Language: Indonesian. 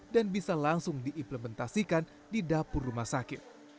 dan bisa langsung diimplementasikan di dapur rumah sakit